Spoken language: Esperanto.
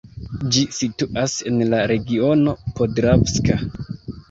Ĝi situas en la Regiono Podravska.